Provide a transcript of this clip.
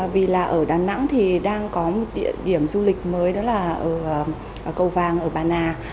vì là ở đà nẵng thì đang có một địa điểm du lịch mới đó là ở cầu vàng ở bà nà